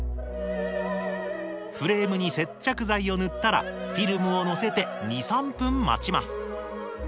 フレームに接着剤を塗ったらフィルムをのせて２３分待ちます。